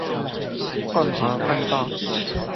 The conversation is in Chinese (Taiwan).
共同奮鬥